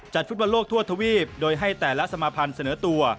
ฟุตบอลโลกทั่วทวีปโดยให้แต่ละสมาพันธ์เสนอตัว